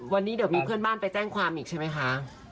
วันนี้เดี๋ยวมีเพื่อนบ้านไปแจ้งความอีกใช่ไหมคะ